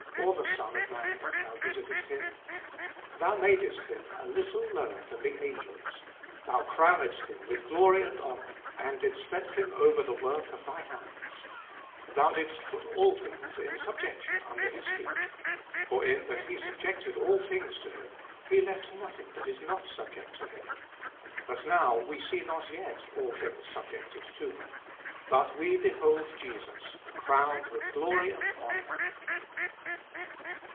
Or the Son of man, that thou visitest him ? 7. Thou madest hi™ a little lower than the angels ; Thou crownedst him with glory and honour, And didst set him over the works of thy hands : 8. Thou didst put all things in subjection under his feet. For in that he subjected all things to him, he left nothing that is not subject to him But now we see not yet all things subjected to him. 9. But we behold Jesus crowned with glory and honour.